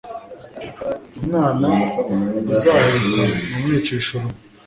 umwana uzaheka ntumwicisha urume